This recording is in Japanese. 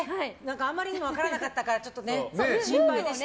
あまりにも分からなかったから心配でした。